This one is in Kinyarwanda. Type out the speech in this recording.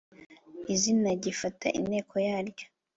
izina gifata inteko yaryo.